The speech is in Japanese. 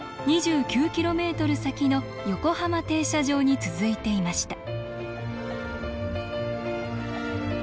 ２９キロメートル先の横浜停車場に続いていました